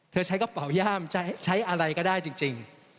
ใช้กระเป๋าย่ามใช้อะไรก็ได้จริง